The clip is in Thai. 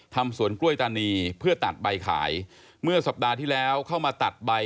ทำสวนกล้วยตานีเพื่อตัดใบขายเมื่อสัปดาห์ที่แล้วเข้ามาตัดใบ